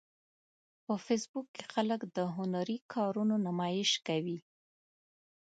په فېسبوک کې خلک د هنري کارونو نمایش کوي